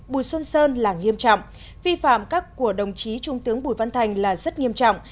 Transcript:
bùi xuân sơn là nghiêm trọng vi phạm các của đồng chí trung tướng bùi văn thành là rất nghiêm trọng